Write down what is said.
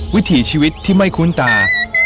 วิถีชีวิตที่ไม่คุ้นตา